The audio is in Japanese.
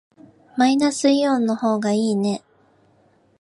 マイナスイオンの方がいいね。